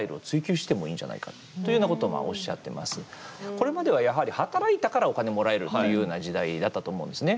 これまでは、やはり働いたからお金もらえるっていうような時代だったと思うんですね。